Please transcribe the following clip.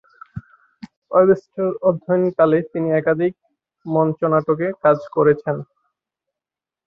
Webster অধ্যয়নকালে তিনি একাধিক মঞ্চনাটকে কাজ করেছেন।